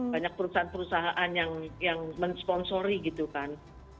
banyak perusahaan perusahaan yang mensponsori gitu kan